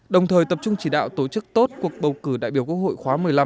đồng thời tập trung chỉ đạo tổ chức tốt cuộc bầu cử đại biểu quốc hội khóa một mươi năm